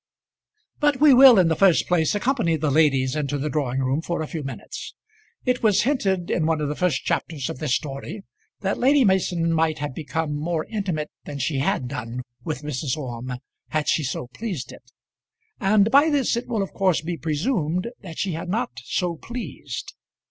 But we will in the first place accompany the ladies into the drawing room for a few minutes. It was hinted in one of the first chapters of this story that Lady Mason might have become more intimate than she had done with Mrs. Orme, had she so pleased it; and by this it will of course be presumed that she had not so pleased.